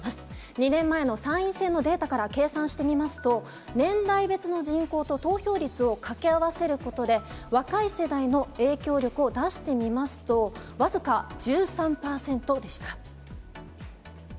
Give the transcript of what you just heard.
２年前の参院選のデータから計算してみますと、年代別の人口と投票率を掛け合わせることで、若い世代の影響力を出してみますと、僅か１３％でした。